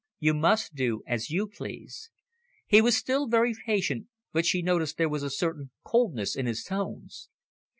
"You must do as you please." He was still very patient, but she noticed there was certain coldness in his tones.